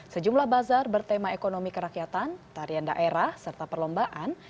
sejumlah bazar bertema ekonomi kerakyatan tarian daerah serta perlombaan